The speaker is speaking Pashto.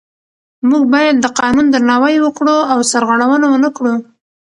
موږ باید د قانون درناوی وکړو او سرغړونه ونه کړو